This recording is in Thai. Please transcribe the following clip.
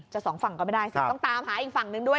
สองฝั่งก็ไม่ได้สิต้องตามหาอีกฝั่งนึงด้วย